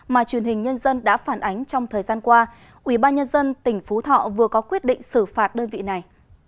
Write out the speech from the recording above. mà truyền hình nhân dân đã phản ánh trong thời gian qua ubnd tỉnh phú thọ vừa có quyết định xử phạt đơn vị này